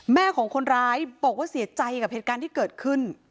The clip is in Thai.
แม่ของคนร้ายบอกว่าเสียใจกับเหตุการณ์ที่เกิดขึ้น